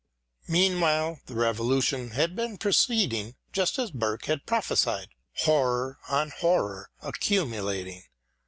Meanwhile the Revolution had been proceeding just as Burke had prophesied, horror on horror accumulating.